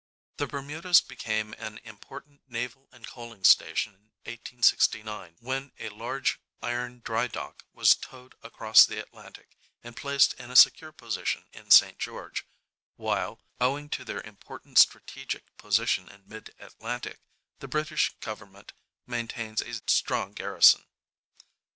The Bermudas became an important naval and coaling station in 1869, when a large iron dry dock was towed across the Atlantic and placed in a secure position in St George, while, owing to their important strategic position in mid Atlantic, the British government maintains a strong garrison.